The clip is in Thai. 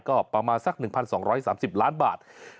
ก็ประมาณสัก๑๒๓๐ล้านบาท